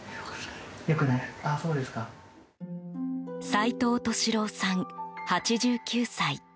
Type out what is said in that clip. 齋藤利郎さん、８９歳。